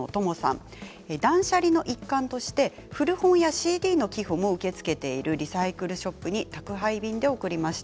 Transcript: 断捨離の一環として古本やＣＤの寄付を受け付けているリサイクルショップに宅配便で送りました。